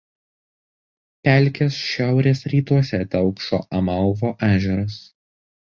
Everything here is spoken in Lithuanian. Pelkės šiaurės rytuose telkšo Amalvo ežeras.